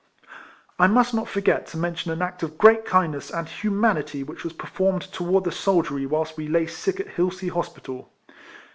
I must not forget to mention an act of great kindness and humanity which was per formed towards the soldiery whilst we lay sick at Hilsea Hospital.